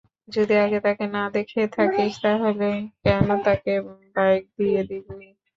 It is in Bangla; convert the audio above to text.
যদি আগে তাকে না দেখে থাকিস, তাহলে কেন তাকে বাইক দিয়ে দিলি?